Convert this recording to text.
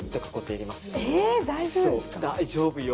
大丈夫よ。